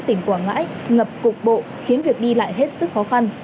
tỉnh quảng ngãi ngập cục bộ khiến việc đi lại hết sức khó khăn